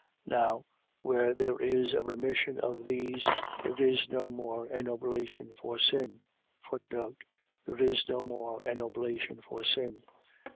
10:18. Now, where there is a remission of these, there is no more an oblation for sin. There is no more an oblation for sin.